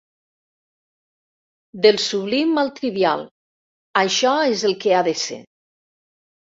Del sublim al trivial, això és el que ha de ser.